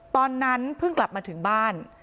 ตอนนั้นเพิ่งกลับมาถึงบ้าน